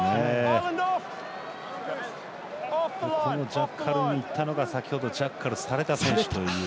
ジャッカルにいったのが先ほどジャッカルされた選手という。